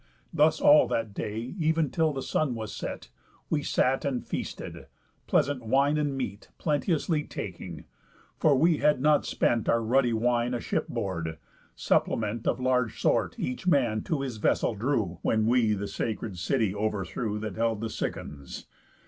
Thus all that day, ev'n till the sun was set, We sat and feasted, pleasant wine and meat Plenteously taking; for we had not spent Our ruddy wine aship board, supplement Of large sort each man to his vessel drew, When we the sacred city overthrew That held the Cicons.